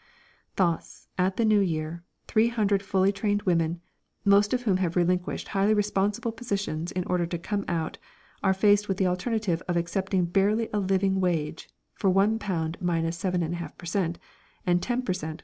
Thus, at the New Year, 300 fully trained women, most of whom have relinquished highly responsible positions in order to come out, are faced with the alternative of accepting barely a living wage (for £1 minus 7 1/2 per cent. and 10 per cent.